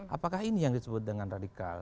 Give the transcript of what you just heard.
apakah ini yang disebut dengan radikal